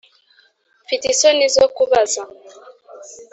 mfite isoni zo kubaza,